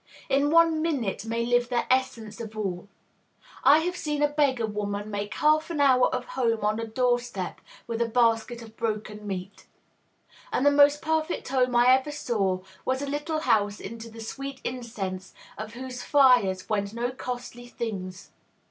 In one minute may live the essence of all. I have seen a beggar woman make half an hour of home on a doorstep, with a basket of broken meat! And the most perfect home I ever saw was in a little house into the sweet incense of whose fires went no costly things.